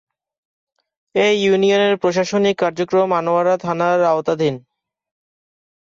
এ ইউনিয়নের প্রশাসনিক কার্যক্রম আনোয়ারা থানার আওতাধীন।